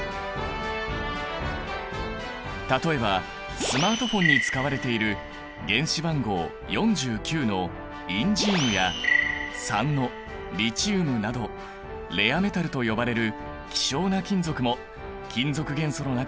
例えばスマートフォンに使われている原子番号４９のインジウムや３のリチウムなどレアメタルと呼ばれる希少な金属も金属元素の中に含まれているんだ。